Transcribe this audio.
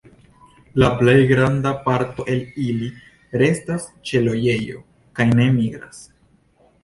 La plej granda parto el ili restas ĉe loĝejo kaj ne migras.